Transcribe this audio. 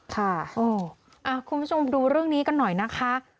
คุณผู้ชมดูเรื่องนี้กันหน่อยนะคะ